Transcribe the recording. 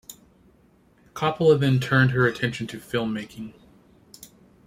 Coppola then turned her attention to film-making.